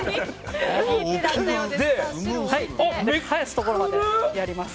返すところまでやります。